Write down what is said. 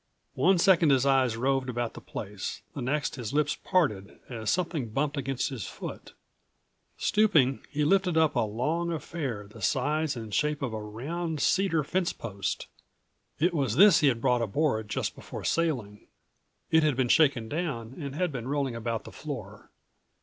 One second his eyes roved about the place; the next his lips parted as something bumped against his foot. Stooping, he lifted up a long affair the size and shape of a round cedar fencepost. It was this he had brought aboard just before sailing. It had been shaken down and had been rolling about the floor.